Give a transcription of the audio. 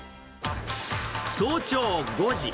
早朝５時。